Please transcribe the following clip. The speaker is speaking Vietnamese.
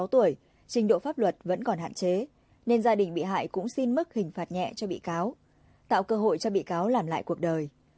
sáu mươi tuổi trình độ pháp luật vẫn còn hạn chế nên gia đình bị hại cũng xin mức hình phạt nhẹ cho bị cáo tạo cơ hội cho bị cáo làm lại cuộc đời